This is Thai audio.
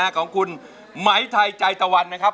ของคุณไหมไทยใจตะวันนะครับ